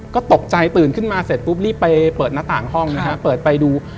ก็ตกใจตื่นขึ้นมาเสร็จปุ๊บรีบไปเปิดหน้าต่างห้องนะครับเปิดไปดู